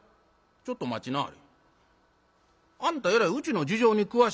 ちょっと待ちなはれ。